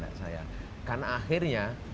hati saya karena akhirnya